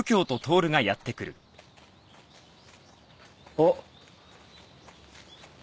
あっ。